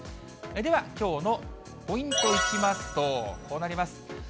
ではきょうのポイントいきますと、こうなります。